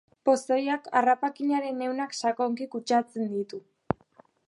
Pozoiak harrapakinaren ehunak sakonki kutsatzen ditu.